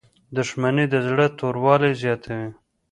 • دښمني د زړه توروالی زیاتوي.